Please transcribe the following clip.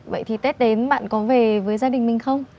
vậy thì tết đến bạn có về với gia đình mình không